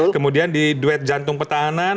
kemudian di duet jantung petahanan